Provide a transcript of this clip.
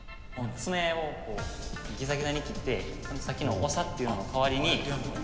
爪をギザギザに切ってさっきの筬っていうのの代わりに。